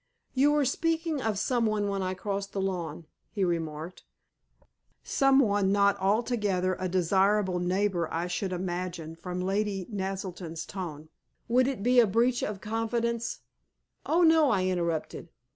"You were speaking of some one when I crossed the lawn?" he remarked. "Some one not altogether a desirable neighbor I should imagine from Lady Naselton's tone. Would it be a breach of confidence " "Oh, no," I interrupted.